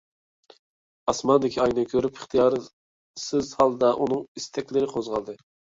ئاسماندىكى ئاينى كۆرۈپ ئىختىيارسىز ھالدا ئۇنىڭ ئىستەكلىرى قوزغالدى.